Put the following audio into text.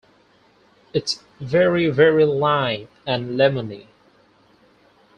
It's veri veri Lime and Lemoni.